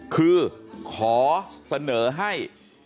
คือขอเสนอให้